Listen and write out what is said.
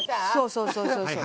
そうそうそうそう。